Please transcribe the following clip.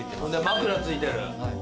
枕付いてる。